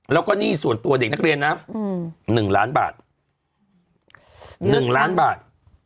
เนี่ยส่วนตัวเด็กนักเรียนนะหนึ่งล้านบาท